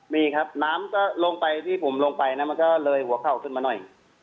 มีครับน้ำก็ลงไปที่ผมลงไปนะมันก็เลยหัวเข่าขึ้นมาหน่อย